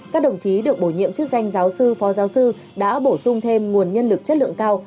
các đồng chí được bổ nhiệm chức danh giáo sư phó giáo sư đã bổ sung thêm nguồn nhân lực chất lượng cao